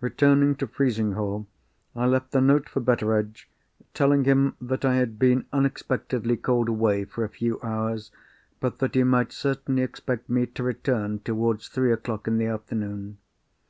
Returning to Frizinghall, I left a note for Betteredge, telling him that I had been unexpectedly called away for a few hours, but that he might certainly expect me to return towards three o'clock in the afternoon.